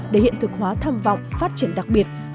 để hiện thực hóa tham vọng phát triển đặc biệt